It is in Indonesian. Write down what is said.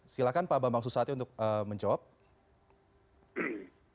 silahkan pak bambang susatyo untuk menjawab